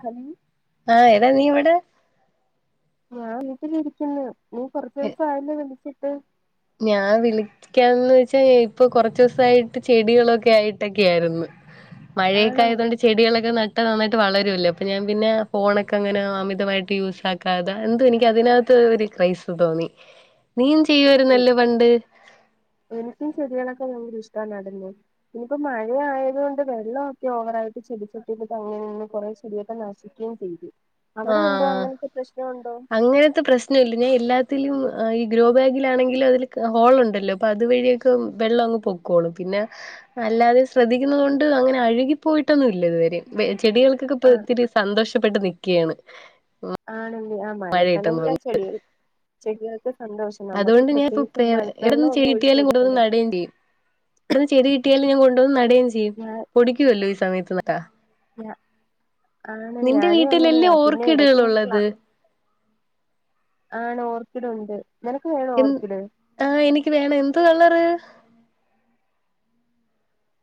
Hello എ നീ ഇവിടെ ഞാ വീട്ട ഇരിക്കുന്നു നീ കുറച്ച ദിവസ ആയെന്നേ വിളിച്ചച്ച് അ ഞാൻ വിളിക്കാന്ന് വച്ചാ ഇപ്പൊ കൊറച്ച ദിവസായിട്ട് ചെടികളൊക്കെ ആയിട്ടൊക്കെ ആായിരുന്നു മഴയൊക്കെ ആണോ ആയതുകൊണ്ട് ചെടികളൊക്കെ നന്നായിട്ട് വളരല്ല അപ്പഞാൻ പിന്നെ ഫോണൊക്കെ അങ്ങനെ അമിതമായിട്ട് യൂസ് ആക്കാത എന്ത എനിക്ക്തിനകത്ത് ഒരു ക്രൈസ് തോന്നി നീ എനിക്കും ശെരിയളൊക്കെ ഭയങ്കര ഇഷ്ട [unintelligible] നടന്നു പിന്നിപ്പോ മഴയായതോണ്ട് വെള്ളക്കെ ഓവറായിട്ട് ചെടിച്ചട്ടിക്ക് അങ്ങനെ കുറെ ചെടിയൊക്കെ നശിക്കേം ചെയ്തു ആ അവിടെ ഉണ്ടോ അങ്ങനത്തെ പ്രശ്നം ഉണ്ടോ അങ്ങനത്തെ പ്രശ്നല്ല ഞാൻ എല്ലാ ഈ ഗ്രോ ബാഗിലാണെങ്കിലും അതിൽ ഹോൾ ഉണ്ടല്ലോ അപ്പൊ അത് വഴിയൊക്കെ വെള്ളം അങ്ങ് പൊയ്ക്കോളും പിന്നെ അല്ലാതെ ശ്രദ്ധിക്കുന്ന കൊണ്ട് അങ്ങനെ അഴുകിപ്പോയിട്ടൊന്നും ഇല്ല ഇതുവരെ ചെടികൾക്കക്കെ ഇപ്പോ ആ ഒത്തിരി സന്തോഷം പ്പെട്ടത് ഒക്കെയാണ് ആ ആണല്ലേ [unintelligible] ചെടികള് ചെടികൾക്ക് സന്തോഷം നമുക്ക് അതോണ്ട് ഞാൻ ഇപ്പോ പ്രത്യേകിച്ച് മഴ എന്ന് വെള്ളം ചെടി ഒന്നും ഒഴിച്ചു കിട്ടിയാലും കൊണ്ടന്ന് കൊടുക്കണ്ടല്ലോ നടുകയും ചെയ്യും [unintelligible] ചെയ്യും ഞാ പൊടിക്കല്ലോ ഈ സമയ ത്ത ആണ് ഞാനും വീട്ടിലല്ലേ അങ്ങനെയാ പിന്നെ ഓർക്കിഡുകൾ എടക്ക് ഇൻക്ക് ക്ലാ ഉള്ളത് ആണ് ഓർക്കിഡ് ഉണ്ട് നിനക്ക് വേണോ ഇൻ ഓർക്കിഡ് ആ എനിക്ക് വേണം എന്ത്ര കളറ്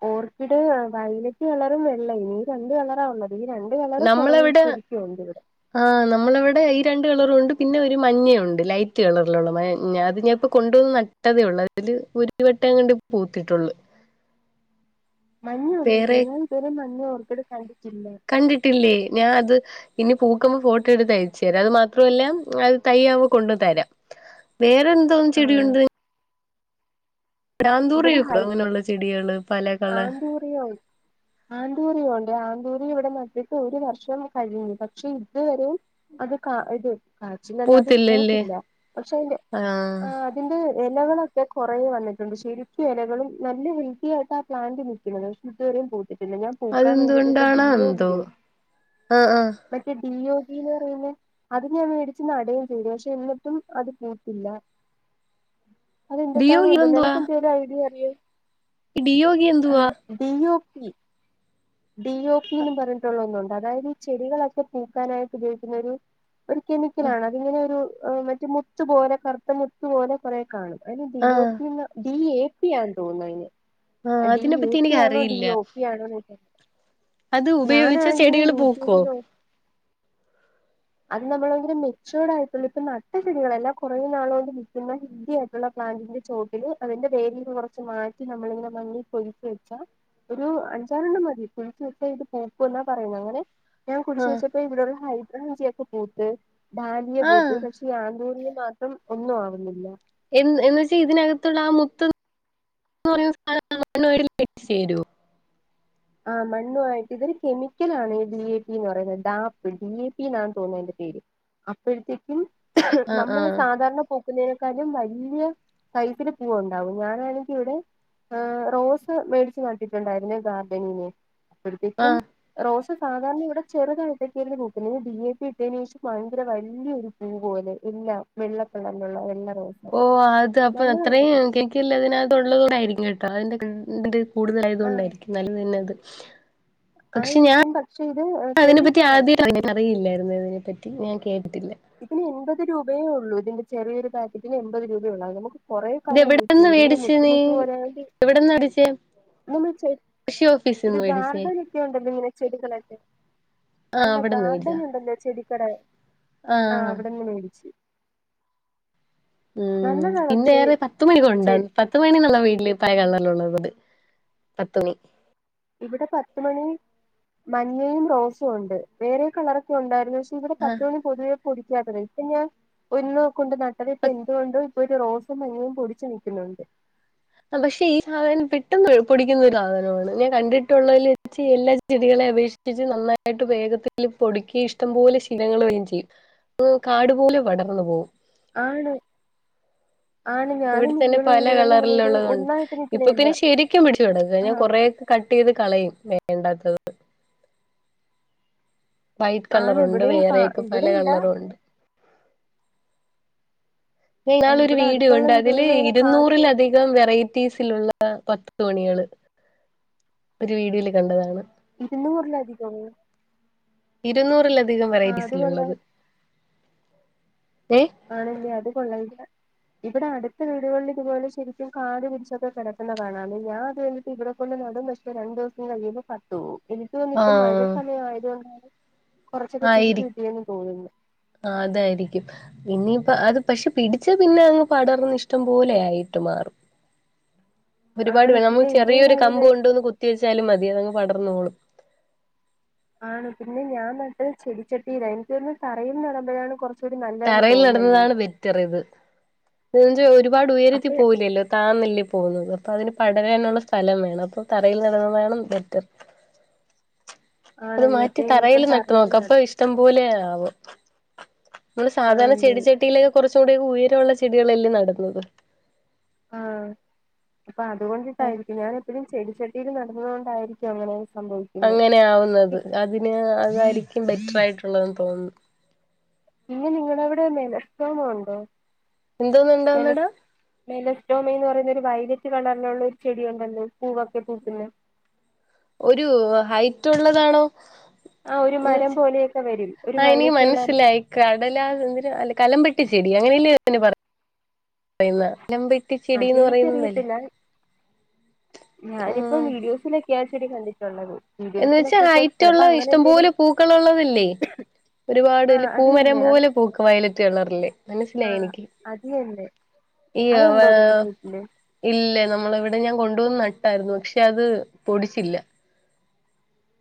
ഓർക്കിഡ് വയലറ്റ് കളറും വെള്ള ഇ രണ്ട് കളറാഒള്ള ഈ രണ്ട് കളറ് കൊറെ നമ്മളവിടെ ശരിക്കും ഒ ണ്ട് ഇവിടെ ആഹ് നമ്മളിവിടെ ഈ രണ്ട് കളറുണ്ട് പിന്നെ ഒരു മഞ്ഞയുണ്ട് ലൈറ്റ് കളറിലുള്ള മഞ്ഞ അത് ഞാൻ ഇപ്പോ കൊണ്ടുവന്ന് നട്ടതേ ഒള്ളൂ അതില് ഒരു വട്ടം കണ്ടി പൂത്തിട്ടുള്ളു മഞ്ഞ ഉണ്ട്ല്ലേ [unintelligible] മഞ്ഞ ഓർക്ക [unintelligible] കണ്ടിട്ടില്ലേ ഞാൻ അത് ഇനി പൂക്കുമ്പോ ഫോട്ടോ എടുത്ത് അയച്ചതരാ അത് ത്രവുല്ല അത് തൈ ആവുമ്പോ കൊണ്ട് തരാം വേ എന്തോന്നും ആഹ് ചെടിയുണ്ട് ആന്തൂറിയം ഒക്കെ അങ്ങനെയുള്ള ചെടികള് പല കളർ ആന്തുറിയോ ആന്ത്‌ ന്തൂറിയോണ്ട് ആന്തൂറി ഇവിടെ നട്ടിട്ട് ഒരു വർഷം കഴിഞ്ഞു പക്ഷെ ഇതുവരെയും അത് കാ ഇത് കാച്ചിലന്ന അത് പൂത്തില്ലല്ലേ പൂത്തില്ല പക്ഷെ അതിന്റെ ആഹ് ആ അതിന്റെ ഇലകളൊക്കെ കുറെ വന്നിട്ടുണ്ട് ശരിക്കും ഇലകളും നല്ല വീതിയായിട്ട പ്ലാന്റ് നിക്കണത് ഷെ ഇതുവരെ പൂത്തിട്ട് പിന്നെ ഞാൻ പൂക്കാൻ വേണ്ടിട്ട് അതെന്തുകൊണ്ടാണോ ഡിയോ എന്തോ ഇല്ലേ ആഹ് ആഹ് മറ്റേ ഡിയോഗിന്ന് പറയുന്നെ അത് ഞാൻ മേടിച്ച് നടുകയും ചെയ്തെ പക്ഷെ ന്നിട്ടും അത് പൂത്തില്ലാ. അതു ഡിയോഗി എന്തുട്ടാതെന്നോ നിനക്കു എന്തേലും ഐഡിയ ഉണ്ടോ ബിയോ ബീയോഗി എന്തുവാ ഇ ഡി ഒ പി എന്നും പറഞ്ഞിട്ടുള്ള ഒന്നുണ്ട് അതായത് ഈ ചെടികളൊക്കെ പൂക്കാനായിട്ട് ഉപയോഗിക്കുന്നൊരു ഒരു കെമിക്കലാണ് അതിങ്ങനെ ഒരു ആ മറ്റെ മുത്ത് പോലെ കറുത്ത മുത്തു പോലെ കുറെ കാണും അ ഡി ഒ ആഹ് പിന്ന് ഡി എ യെപ്പിയാന്ന് തോന്നതിന് ആഹ് ഡി എ അതിനെപ്പറ്റി പി ആണോ ഡി എനിക്കറിയില്ല ഒ പി ആണോ എനിക്കു അത് ഉപയോഗിച്ച ചെടികൾ പൂക്കോ യൂട്യൂബിലോ അത് നമ്മൾ മെച്യേഡ് ആയിട്ടുള്ള ഇപ്പ നട്ട ചെടികളല്ലാം കുറെ നാളു കൊണ്ട് നിക്കുന്ന ഹെൽത്തി ആയിട്ടുള്ള പ്ലാന്റിന്റെ ചോട്ടില് അതിന്റെ വേരിന്ന് കുറച്ച് മാറ്റി നമ്മളിങ്ങനെ നി പൊഴിച്ച വെച്ചാ ഒരു അഞ്ചാറെണ്ണം മതി പൊഴിച്ച വെച്ച ഇത് പൂക്കൂ എന്നാ പറയുന്ന അങ്ങനെ ഞാൻ കുഴിച്ച് ആഹ് വെച്ചപ്പം ഇവിടുള്ള ഹരി അഞ്ചിയക പൂത്ത് ഡാലിയ ആഹ് പൂത്ത് പക്ഷേ ഇ ആന്തൂറിയം മാത്രം ഒന്നും ആവുന്നില്ല എ എന്ന വെച്ചാ ഇതിനകത്തുള്ള ആ മുത്ത ചേരോ ആ മണ്ണ് ആയിട്ട് ഇതൊരു കെമിക്കൽ ആണ് ഡി എ പിന്ന് പറയുന്നത് ഡാപ്പ് ഡി എ പി എന്നാണ് തോന്നുന്നത് അതിന്റെ പേര് അപ്പോഴത്തേക്കും ഹ് ആഹ് നമ്മൾ ആഹ് സാധാരണ പോ ഇതിനെക്കാളും വല്യയ കൈത്തി പൂവ് ഉണ്ടാവും ഞാനാണ് ഇവിടെ റോസ് മേടിച്ച് നട്ടിട്ടുണ്ടായിരുന്നു ഇ ബങ്ങനെ അപ്പോഴത്തേക്കും റോസ് സാധാരണ ഇവിടെ ചെറുതഴത്തൊക്ക പൂക്ക് ഡി എ പി ഇട്ടതിനന് ശേഷം ഭയങ്കര വലൊരു പൂ പോലെ എല്ലാം വെള്ളകളറിലുള്ള എല്ലാം ഓ അത് അപ്പൊ അത്രയും കേക്കില്ല അതിനകത് ഉള്ളത കൊണ്ടായിരിക്കും കേട്ടോ അതിന്റെ ട് കൂടുതലായത് ആഹ് കൊണ്ടായിരിക്കും നല്ല അത് പക്ഷെ ഞാൻ ആയിരിക്കും പക്ഷെ ഇത് അതിനെ പറ്റി സേഫാണ് ആദ്യ അറില്ലായിരുന്നു അതിനെ പറ്റി ഞാൻ കേട്ടിട്ടില്ല ഇതിന് എൺപത് രൂപ രേ ഉള്ളൂ ഇതിന്റെ ചെറിയൊ പാക്കറ്റന് എൺപത് രൂപയള്ളൂ അത് നമുക്ക് ഇത് കുറേക്കാലം യൂസ് എവിടെന്ന് ചെയ്തു ഇങ്ങനെ മേടിച്ച് മുത്ത നീ മുത്ത് പറയണ്ട് എവിടെന്ന് മേടിച്ചേ കൃഷി ഇത് ഓഫീസിന്ന് മേടിച്ചേ ഗാർഡൻ ഒക്കെ ഉണ്ടല്ലോ ഇങ്ങനെ ചെടികളൊക്കെ ആഹ് അല്ല അവിടെന്ന് ഗാർഡൻ മേടിച്ചതാ ഉണ്ടല്ലോ ചെടി ഇക്കടെ ആ ആഹ് അവിടെന്ന് മേടിച്ച് ഉം നല്ലതാ പിന്നെ പക്ഷേ ഏറെ പത്തുമണി കൊണ്ട ചെടി പത്ത്മണി നല്ല വീട്ടില് [unintelligible] ഇവിടെ പത്തുമണി മഞ്ഞയും റോസും ഒണ്ട് വേറെ കളറൊക്കെ ഒണ്ടാരുന്നു പ ഇവിടെ പത്ത് ആഹ് മണി പൊതുവെ പുടിക്കാത്ത ടൈ ഇപ്പ ഞാ ഒന്ന് കൊണ്ട് നട്ടത് ഇപ്പോ എന്തുകൊണ്ടോ ഇപ്പോരു റോസും മഞ്ഞയും പൊടിച്ച് നിക്കുന്നോണ്ട് പക്ഷേ ഈ സാധനം പെട്ടെന്ന് പൊടിക്കുന്ന ഒരു സാധനവാണ് ഞാൻ കണ്ടിട്ടുള്ളതിൽ എല്ലാ ചെടികളെ അപേക്ഷിച്ച് നന്നായിട്ട് വേഗത്തില് പൊടക്കി ഇഷ്ടംപോലെ ശീലകള് വരേം ചെയ്യും കാടുപോലെ പടർന്നു പോവും ആണ് ആണ് ഇവിടെ ഞാനും തന്നെ മിക്കുള്ള പല വീടുകളിൽ ഇങ്ങനെ ഇത് കളറിലൊള്ളതുണ്ട് ഒന്നായിട്ട് ഇപ്പോ നിൽക്കുന്നതല്ല പിന്നെ ശെരിക്കും പിടിച്ചു [unintelligible] ആ കഴിഞ്ഞാ കൊറെക്കെ കട്ട് ചെയ്ത് കളയും വേണ്ടാത്തത് വൈറ്റ് ആണ് കളറുണ്ട് ഇവിടെയും കാ വേറെക്കെ പല ഇവിടെ ഇല്ല കളറുവോണ്ട് ഞാ ഇന്നാളൊരു ഒരു ഇവിടെ വീട് അടുത്തുള്ള കണ്ട് അതില് വീടുകളിൽ ഇങ്ങനെ കാട് പോലെ ഇരുന്നൂറിലധികം വെറൈറ്റീസിലുള്ള പത്ത് തോണികള് ഒരു വീഡിയോല് കണ്ടതാണ് ഇരുന്നൂറിലധികവോ ഇരുന്നൂറില ധികം വെറൈറ്റീസിലുള്ളത് ഏ ആണല്ല്യെ അത് കൊള്ള [unintelligible] ഇവിടെ അടുത്ത വീടുകളില് ഇതുപോലെ ശെരിക്കും കാടു പിടിച്ചൊക്കെ കെടക്കുന്ന കാണാം ഞാ അത് കണ്ടിട്ട് ഇവിടെ കൊണ്ട് നടും പക്ഷേ രണ്ടു ദിവസം കഴിയുമ്പോ പട്ടുപോവും എനിക്ക് തോന്നിപ്പോ മഴ ആഹ് സമയം ആയതു കൊണ്ടാണ് ആയിരി അതാരിക്കും. ഇനിയിപ്പ അത് പശേ പിടിച്ച പിന്നെ അങ്ങ് പടർന്ന്‌ ഇഷ്ടം പോലെ ആയിട്ട് മാറും. ഒരുപാട് ആണ് [unintelligible] നമ്മള് പിന്നെ എന്റെ ഒരു ചെറിയൊരു കമ്പ് കാര്യം കൊണ്ടോന്ന് കുത്തി വെച്ചാലും മതി. തിയതങ്ങ് പടർന്നോളും. ആണ് പിന്നെ ഞാൻ നട്ട് ചെടിച്ചട്ടിയിലാ. എനിക്കോന്ന് തറയിൽ നടമ്പഴാണ് കൊറ തറയിൽ നടുന്നതാണ് ബെറ്ററിത്. [unintelligible] ഒര് പാട് ഉയരത്തി അപ്പ പോവില്ലല്ലോ താന്നല്ലേ പോ പോന്ന്. അപ്പ അതിന് പടരാനൊള്ള സ്ഥലം വേണം. അപ്പ തറയിൽ നടണതാണ് ബെറ്റർ. അത് ആണല്ലേ മാറ്റി അപ്പൊ തറയിൽ ഇനിയിപ്പം നട്ട് നോക്ക് അപ്പ നടാം ഇഷ്ടംപോലെയാവും. [unintelligible] മ്മള് സാധാരണ ആണല്ലേ ചെടിച്ചെട്ടിയിലേ കൊറച്ച് ച്ചുടങ് ഉയരോള്ള ചെടികളല്ലേ നട്ന്നത് ആ അപ്പ അതുകൊണ്ടിട്ടായിരിക്കും ഞാൻ എപ്പഴും ചെടി ച ല് നട്ന്നതു കൊണ്ടായിരിക്കും അങ്ങനെ സംഭവിക്കുന്നത് അങ്ങനെയാവുന്നത് അതിന് അതാരി എക്കും ബെറ്റർ ആയിട്ടുള്ളതെന്ന് തോന്നുന്നു ഇന്ന്‌ നിങ്ങടവിടെ നെലഷ് ടോമം ഒണ്ടോ നെല എന്തോന്നുണ്ടാവുന്നെടാ നെലഷ്ടെമം എന്ന് പറയുമ്പ ഒരു വൈലറ്റ് കളറിലുള്ള ഒരു ചെടി ഒണ്ടല്ലോ പൂവക്കിട്ട് നിക്കുന്ന ഒരു ഹൈറ്റ് ഉള്ളതാണോ ആ ഒരു മരം [unintelligible] പോലെയൊക്കെ വരും ഒരു ആ എനിക്ക് വയലറ്റ് കളറില് മനസ്സിലായി കടലാ എന്തിര് കലമ്പി ച്ചെടി അങ്ങനെല്ലെ പറ പറയന്ന ലെന്തക്ക് ചെടിന്ന് പറയുന്നതല്ലേ അതെനിക്കറിയത്തില്ല ഞാനിപ്പം ഉം വീഡിയോസിലൊക്കെ ഇത്തിരി കണ്ടിട്ടുള്ളത് എന്ന് വച്ചാ വീഡിയോസിലൊക്കെ ഇപ്പൊ ചിലപ്പോ ഹൈറ്റ്ള്ള അങ്ങനെ ഇഷ്ടം എന്തേലും പോലെ പൂക്കളുള്ളതല്ലേ ആ ഒരുപാട്ല് അത് പൂമരം തന്നെ അത് പോലെ പൂക്ക വയലറ്റ് കളറില് ആ മനസ്സിലായി എനിക്ക് അത് തന്നെ ഈ ആ അതുണ്ടോ നിങ്ങളുടെ വീട്ടില് ഇല്ല നമ്മടിവിട ഞാൻ കൊ ന്ന്‌ നട്ടാരുന്നു പക്ഷെ അത് പൊടിച്ചില്ല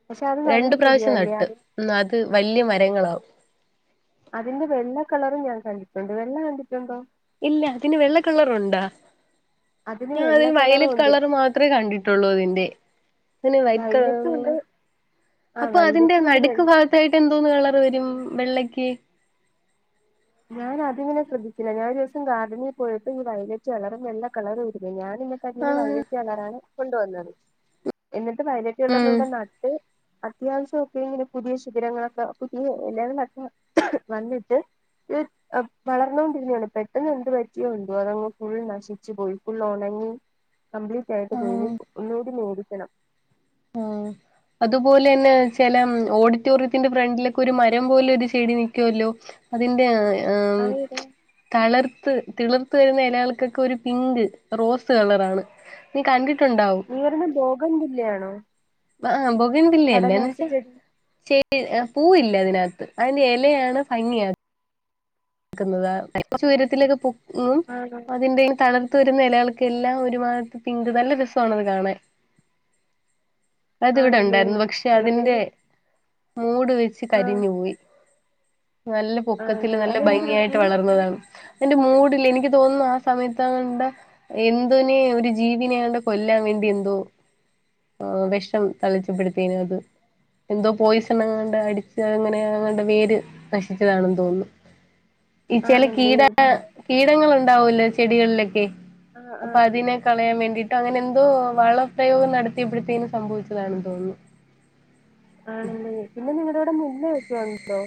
പക്ഷെ അത് നല്ല രണ്ടു പ്രാവശ്യം ചെടിയല്ലേ നട്ട് അതി അത് വലിയ മരങ്ങളാവും അതിന്റെ വെള്ള കളറും ഞാൻ കണ്ടിട്ടുണ്ട്, വെള്ള കണ്ടിട്ടുണ്ടോ ഇല്ല അതിന് വെള്ളക്കള്ളറുണ്ടാ ഞാൻ വെള്ള അതിന് കളറും വയലറ്റ് ഉണ്ട് കളർ മാത്രമേ കണ്ടിട്ടുള്ളൂ അതിന്റെ അതിന് വൈറ്റ് വൈലറ്റും കളറാണ്, ഉണ്ട് ആ അപ്പൊ അതിന്റെ വൈലറ്റും ഉണ്ട് വെ നടുക്ക് ഭാഗത്തായിട്ട് എന്തോന്നന്ന് കളർ വരും? വെള്ളക്ക് ഞാൻ അതിങ്ങനെ ശ്രദ്ധിച്ചില്ല, ഞാൻ ഒരു ദിവസം ഗാർഡനിൽ പോയപ്പം, ഈ വയലറ്റ് കളറും, വെള്ള കളറും ഇരിക്കുന്നു ഞാൻ ആഹ് വൈലറ്റ് കളറാണ് കൊണ്ടുവന്നത് എന്നിട്ട് വയലറ്റ് കളർ ഉം ഇവിടെ നട്ട് അത്യാവശ്യം ഒക്കെ എങ്ങനെ പുതിയ ശിഖിരങ്ങളൊക്കെ പുതിയ ഇലകളൊക്കെ വന്നിട്ട് വളർന്നോണ്ടിരുന്നതാണ് പെട്ടെന്ന് എന്ത് പറ്റിയോ എന്തോ, അതങ്ങ് ഫുൾ നശിച്ചു പോയി, ഫുള്ള് ഉണങ്ങി കംപ്ലീറ്റ് ആയിട്ട് പോയി, ഇനി ഒന്നോടി നോക്കി ണം ആ അതുപോലെ തന്നെ ചില ഓഡിറ്റോറിയത്തിന്റെ ഫ്രണ്ടിലൊക്കെ ഒരു മരം പോലെ ഒരു ചെടി നിൽക്കു വല്ലോ അതിന്റെ അ ആ അതേതാ തളിർ ത് തിള്ർത്ത് വര്ന്ന എലകൾക്കൊക്കെ ഒരു പിങ്ക്, റോസ് കളറാണ്, നീ കണ്ടി നീ പറയ്ന്നെ ബോഗൻ വില്ലയാണോ? അഹ് ആഹ്. [unintelligible] [unintelligible] പൂവ് ഇല്ല അതിനകത്ത് അയിന്റെ എല ഇലയാണ് ഭംഗിയാ ക്കുന്നത്. [unintelligible] ഉയരത്തിലൊക്കെ പോ ഉം ആണോ അതിന്റെയും തളിർ ത്ത് വരുന്ന ഇലകൾക്ക് എല്ലാം ഒരുമാഗത്ത് പിങ്ക് നല്ല രസമാണത് കാണാൻ അതിവിടെ ആണല്ലേ ഉണ്ടായിരുന്നു പക്ഷെ ചെലപ്പോ അതിന്റെ എനിക്ക് മൂട് വെച്ച് ആഹ് കരിഞ്ഞു പോയി. നല്ല പൊക്കത്തിൽ ആണല്ലേ നൽ അതെന്ത് പറ്റി ഭംഗിയായിട്ട് വളർന്നതാണ്. എന്റെ മൂടില് എനിക്ക് തോന്നുന്നു, ആ സമയത്ത് അങ്ങണ്ട് എന്തിനെ ഒരു ജീവിനെ എങ്ങാണ്ട് കൊല്ലാൻ വേണ്ടി എന്തോ ഏഹ് വെഷം തളിച്ചപ്പെടുത്തേന് അത് എന്തോ പോയിസൺ എങ്ങാണ്ട് അടിച്ച അങ്ങനെ അങ്ങണ്ട് വേര് നശിച്ചതാണെന്ന് തോന്നുന്നു. ഈ ചില ആണല്ലേ കീട കീടങ്ങളു ണ്ടാവല്ലൊ ചെടികളിലൊക്കെ ആഹ് അപ്പൊ ആഹ് അതിനെ കളയാൻ വേ ണ്ടിട്ടോ അങ്ങനെ എന്തോ വളപ്രയോഗം നടത്തിയപടുത്തേന് സംഭവിച്ചതാണെന്ന് തോന്നുന്നു. ആണല്ലേ പിന്നെ നിങ്ങടെ ഇടെ [unintelligible] ഒക്കെ ഉണ്ടോ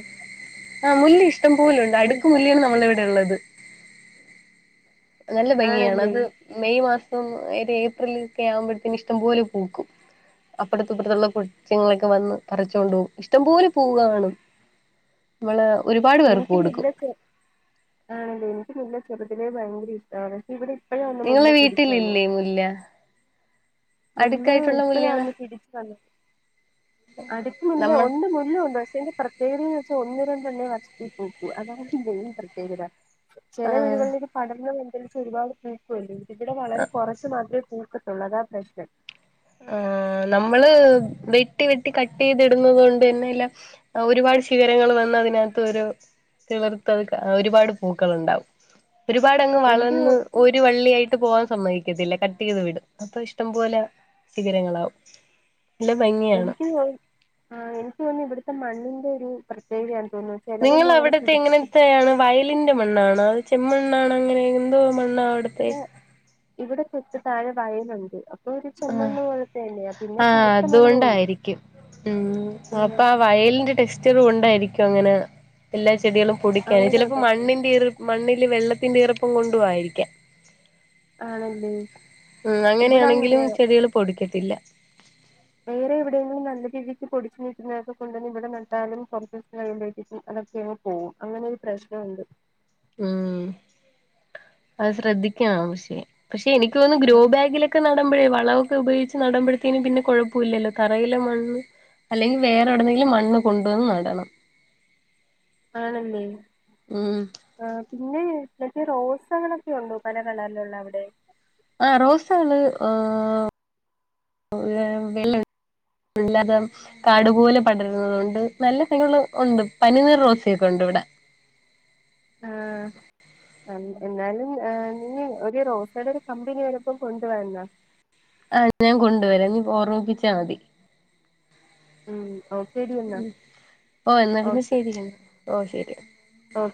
ആഹ് മുല്ലി ഇഷ്ട്ടം പോലൊണ്ട് അടുക്ക് കൂലിയാണ് നമ്മൾടിവടെള്ള. ത് നല്ല ഭംഗിയാണ് ആണല്ലേ അത് മെയ് മാ സം ഒര് ഏപ്രിലിക്കെ ആവുമ്പഴത്തേന് ഇഷ്ടംപോലെ പൂക്കും. അപ്പടത്തും ഇപ്പുറത്തുള്ള കൊച്ചുങ്ങളൊക്കെ വന്ന് പറിച്ചോണ്ട് പോകും. ഇഷ്ടംപോലെ പൂവ് കാണും നമ്മള് ഒരുപാട് പേർക്ക് എനിക്ക് മുല്ല കൊടുക്കും ചെ ആണല്ലേ എനിക്ക് മുല്ല ചെറുതിലേ ഭയങ്കര ഇഷ്ടവാണ്. പക്ഷെ ഇവിടി നിങ്ങളെ വീട്ടിലില്ലേ മുല്ല? മുല്ലാ അടുക്കായിട്ടുള്ള ഇപ്പഴാ മുല്ലകള് ഒന്ന് പിടിച്ചെ. അല്ല അടുക്ക് മുല്ല നമ്മൾ ഒണ്ട് മുല്ല ഒണ്ട് പക്ഷെ ഇതിന്റെ പ്രത്യേകതേന്ന് വെച്ചാ ഒന്ന് രണ്ടണ്ണേ വർഷത്തി പൂക്കു അതാണ് മെയിൻ പ്രത്യേകത. ചില വീടുകളിലേക്ക് പടർന്ന അ ഒരുപാട് വക്ക ഇതിടെ വളരെ കുറച്ച് മതി പൂക്കത്തുള്ളതാ പ്രശന ശരി ആ നമ്മള് വെട്ടി വെട്ടി കട്ട് ചെയ്തിടുന്നത് കൊണ്ട് തന്നെല്ല ഒരുപാട് ശിഖരങ്ങൾ വന്ന അതിനകത്ത് ഒരു ചളർത്തത് ഒരുപാട് പൂക്കൾ ഉണ്ടാവും ഒരുപാട് അങ്ങ് എനിക്ക് വളർന്ന് ഒരു വള്ളിയ ആായിട്ട് പോവാാൻ സമ്മവക്കത്തില്ല ട്ടത് വിടും അപ്പൊ ഇഷ്ടം പോലെ ശിഖരങ്ങളാവും നല്ല ഭംഗിയാണ് എനിക്ക് തോ എനിക്ക് തോന്ന ഇവിടെ മണ്ണിന്റെ ഒരു പ്രത്യേക നിങ്ങ അവിടത്തെ എങ്ങനെത്താണ് വയലിന്റെ മണ്ണാണോ അത് ചെമ്മണ്ണ അങ്ങനെ എന്തോ അവിടുത്തെ ഇവിടെ ഇവിടെ ചെക്ക് താഴെ വയുന്നുണ്ട് ആ ആ കറുത്ത മണ്ണും ഉണ്ട് അതുകൊണ്ടായിരിക്കും ഉ ഉം അപ്പൊ ആ വയലിന്റെ ടെക്സ്ചറ കൊണ്ടായിരിക്കും അങ്ങനെ എല്ലാ ചെടികളും പടിക്കാന് അങ്ങനെ ചിലപ്പോ ഉണ്ടല്ലേ മണ്ണിന്റെ മണ് വെള്ളത്തിന്റെറെ ഉറപ്പം കൊണ്ട ആയിരിക്കാം ആണല്ലേ ഉ ഇവിടെ അങ്ങനെയാണെങ്കിലും അങ്ങനെയാ ചെടികൾ പൊടിക്കട്ടെ ഇല്ല വേറെ എവിടെയെങ്കിലും നല്ല രീതിക്ക് പൊടിിച്ചു നീക്കുന്നതൊക്കെ കൊണ്ടു തന്നെ ഇവിടെ നണ്ടാലും കുറച്ച് ദിവസം കഴിയുമ്പോഴേും അതൊക്കെ അങ്ങ് പോകും അങ്ങനെ ഒരു പ്രശ്നംുണ്ട് ഉം അത് ശ്രദ്ധിക്കാം പക്ഷേ പക്ഷെ എനിക്ക്ോന്ന ഗ്രോ ആഹ് ബാഗിലൊക്കെ നടമ്പഴേ വളവൊക്കെ ഉപയോഗിച്ച് നടമ്പഴത്തേന് പിന്നെ കുഴപ്പമില്ലല്ലോ തറയിലെ മണ്ണ് അല്ലെങ്കിൽ വേറെടുന്നെങ്കിലും മണ്ണ് കൊണ്ടുവന്ന് നടണം ആണന്ദേ ഉം പിന്നെ മറ്റേ റോസകളൊക്കെ ഉണ്ടോ പല കളില ഉള്ള അവിടെ ആ റോസകള് ഏ വെള്ളല്ലാതെ കാടുപോലെ പടരുന്നതൊണ്ട് നല്ല സ്ഥലൾ ഉണ്ട് പനീർ റോസൊക്കെ ഉണ്ട് ഇവിടെ ആഹ എന്നാലും ആ ന ഒരു റോസയുടെ ഒരു കമ്പനി ആരപ്പോം കൊണ്ട വരന്നാ ആഹ ഞാൻ കൊണ്ടുവരാം നീ ഓർമ്മിപ്പിച്ചാ മതി ഉം ഓക്കേടി എന്നാ ഉ ഓ എന്നാ പിന്നെ ശരിക്ക ഓ ശെരിയാ ആഹ